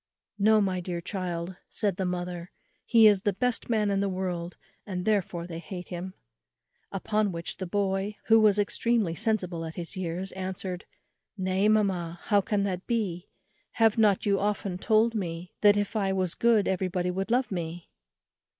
"No, my dear child," said the mother; "he is the best man in the world, and therefore they hate him." Upon which the boy, who was extremely sensible at his years, answered, "Nay, mamma, how can that be? have not you often told me that if I was good everybody would love me?"